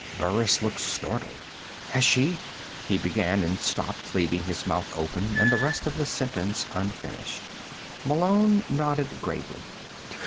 Burris looked startled. "Has she " he began, and stopped, leaving his mouth open and the rest of the sentence unfinished. Malone nodded gravely.